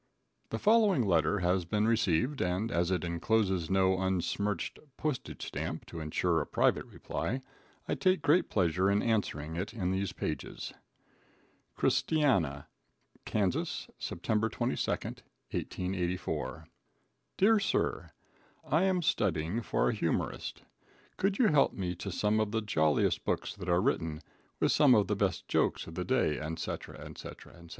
The following letter has been received, and, as it encloses no unsmirched postage stamp to insure a private reply, I take great pleasure in answering it in these pages: Christiana, Kas., Sept. 22nd, 1884 Dear Sir. I am studying for a Humorist. Could you help me to some of the Joliest Books that are written? With some of the best Jokes of the Day &c &c &c.